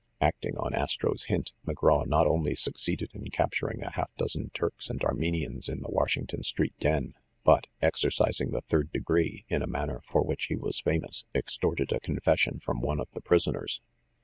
Acting on Astro's hint, McGraw not only succeeded in capturing a half dozen Turks and Armenians in the Washington Street den, but, exercising the "third de gree" in a manner for which he was famous, extorted a confession from one of the prisoners.